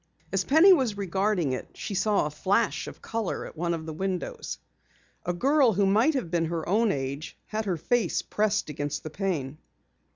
As Penny was regarding it, she saw a flash of color at one of the windows. A girl who might have been her own age had her face pressed against the pane.